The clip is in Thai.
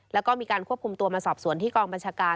แล้วก็มีการควบคุมตัวมาสอบสวนที่กองบัญชาการ